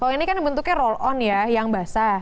kalau ini kan bentuknya roll on ya yang basah